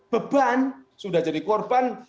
beban sudah jadi korban